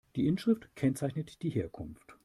Die Inschrift kennzeichnet die Herkunft.